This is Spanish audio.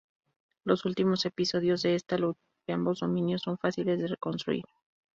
Los últimos episodios de esta lucha entre ambos dominios son fáciles de reconstruir.